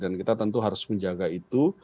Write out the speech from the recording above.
dan kita tentu harus menjaga itu